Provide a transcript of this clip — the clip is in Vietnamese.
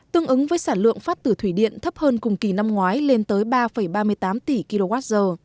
tương ứng với sản lượng phát từ thủy điện thấp hơn cùng kỳ năm ngoái lên tới ba ba mươi tám tỷ kwh